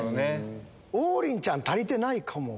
王林ちゃん足りてないかも。